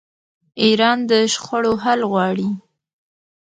ایران د شخړو حل غواړي.